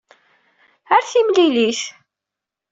Ar timlilit.